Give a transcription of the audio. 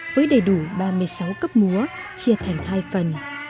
với đầy đủ ba mươi sáu cấp múa chia thành hai phần